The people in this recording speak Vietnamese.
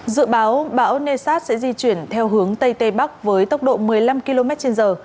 dự báo bão nessat sẽ di chuyển theo hướng tây tây bắc với tốc độ một mươi năm km trên giờ